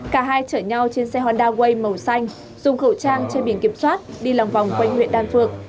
cả hai chở nhau trên xe honda way màu xanh dùng khẩu trang trên biển kiểm soát đi lòng vòng quanh huyện đan phượng